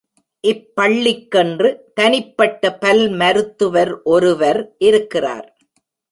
இப் பள்ளிக்கென்று தனிப்பட்ட பல் மருத்துவர் ஒருவர் இருக்கிறார்.